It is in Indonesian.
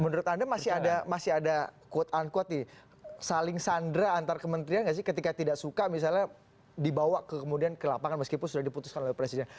menurut anda masih ada quote unquote nih saling sandra antar kementerian nggak sih ketika tidak suka misalnya dibawa kemudian ke lapangan meskipun sudah diputuskan oleh presiden